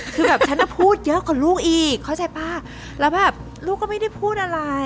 คือแบบฉันน่ะพูดเยอะกว่าลูกอีกเข้าใจป่ะแล้วแบบลูกก็ไม่ได้พูดอะไร